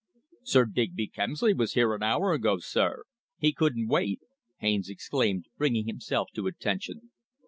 "Sir Digby Kemsley was here an hour ago, sir. He couldn't wait!" Haines exclaimed, bringing himself to attention.